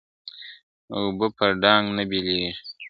اوبه په ډانگ نه بېلېږي ..